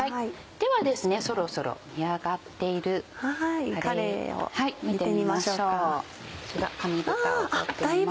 ではですねそろそろ煮上がっているかれい見てみましょうかこちら紙ぶたを取ってみます。